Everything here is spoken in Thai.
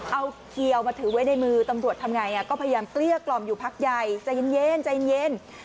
เอาเขียวมาถือไว้ในมือตำรวจทำไงก็พยายามเกลี้ยกล่อมอยู่พักใหญ่ใจเย็นใจเย็น